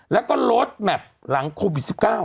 แล้วก็ลดแมพหลังโควิด๑๙